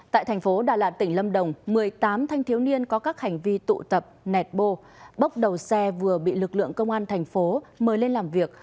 tại thành phố đà lạt tỉnh lâm đồng một mươi tám thanh thiếu niên có các hành vi tụ tập nẹt bô bóc đầu xe vừa bị lực lượng công an thành phố mời lên làm việc